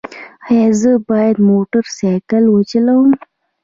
ایا زه باید موټر سایکل وچلوم؟